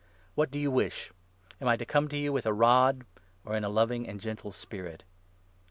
What do you wish ? Am I to come to you with a 21 rod, or in a loving and gentle spirit